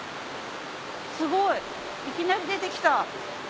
すごいいきなり出てきた。